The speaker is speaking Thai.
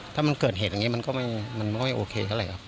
ถ้ามันเกิดเหตุอย่างนี้มันก็ไม่โอเค